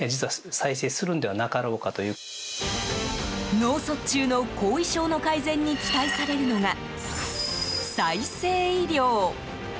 脳卒中の後遺症の改善に期待されるのが、再生医療。